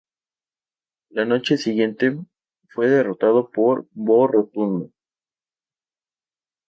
La noche siguiente, fue derrotado por Bo Rotundo.